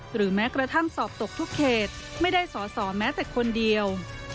หรือแม้กระทั่งสอบตกทุกเขตไม่ได้สอสอแม้แต่คนเดียว